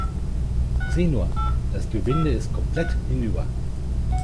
Sieh nur, das Gewinde ist komplett hinüber.